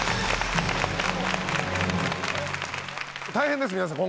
大変です皆さん